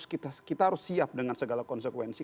kita harus siap dengan segala konsekuensi